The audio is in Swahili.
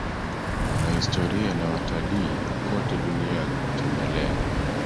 wanahistoria na watalii kote duniani hutembelea